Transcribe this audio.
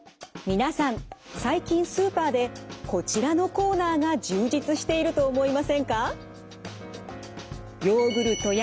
皆さん最近スーパーでこちらのコーナーが充実していると思いませんか？